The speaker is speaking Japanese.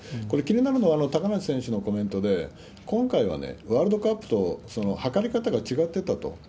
これ、気になるのは高梨選手のコメントで、今回はワールドカップと測り方が違ってたと。